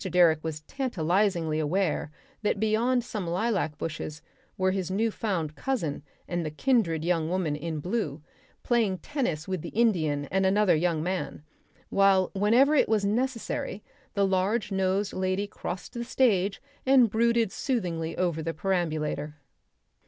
Direck was tantalisingly aware that beyond some lilac bushes were his new found cousin and the kindred young woman in blue playing tennis with the Indian and another young man, while whenever it was necessary the large nosed lady crossed the stage and brooded soothingly over the perambulator.